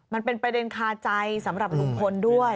มันเป็นประเด็นคาใจสำหรับลุงพลด้วย